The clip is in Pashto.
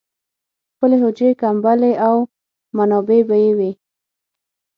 خپلې حجرې، کمبلې او منابع به یې وې.